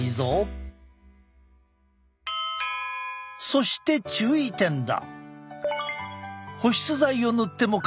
そして注意点だ。